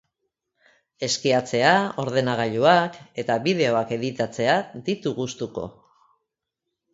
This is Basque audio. Eskiatzea, ordenagailuak, eta bideoak editatzea ditu gustuko.